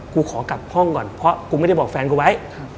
กูขอกลับห้องก่อนเพราะกูไม่ได้บอกแฟนกูไว้